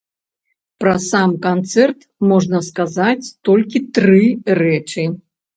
Пра сам канцэрт можна сказаць толькі тры рэчы.